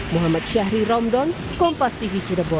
muhammad syahri romdon kompas tv